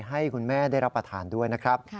ให้คุณแม่ได้รับประทานด้วยนะครับ